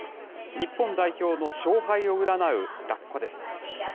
日本代表の勝敗を占うラッコです。